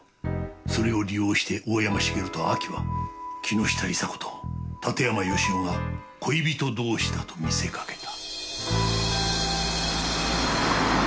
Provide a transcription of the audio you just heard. それを利用して大山茂とアキは木下伊沙子と館山義男が恋人同士だと見せかけた。